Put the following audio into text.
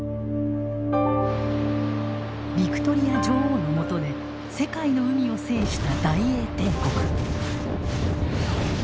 ヴィクトリア女王のもとで世界の海を制した大英帝国。